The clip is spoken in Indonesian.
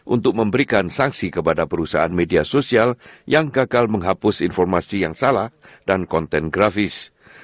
untuk memberikan sanksi kepada perusahaan media sosial yang gagal menghapus informasi yang salah dan konten grafis